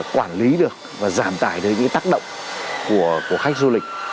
quản lý được và giảm tải đến những tác động của khách du lịch